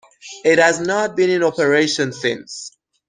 It has not been in operation since.